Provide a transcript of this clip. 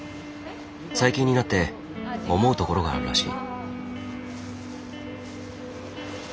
最近になって思うところがあるらしい。